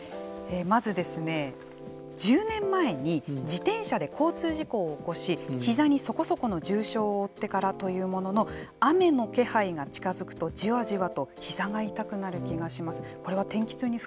まず１０年前に自転車で交通事故を起こしひざに、そこそこの重傷を負ってからというものの雨の気配が近づくとじわじわとひざが痛くなる気がします。